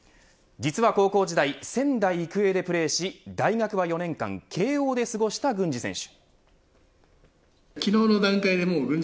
実は高校時代仙台育英でプレーし大学は４年間慶応で過ごした郡司選手。